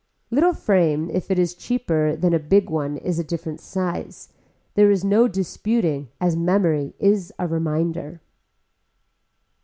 Little frame if it is cheaper than a big one is a different size. There is no use disputing as memory is a reminder.